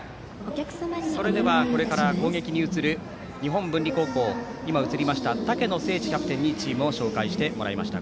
それでは、これから攻撃に移る日本文理高校竹野聖智キャプテンにチームを紹介してもらいました。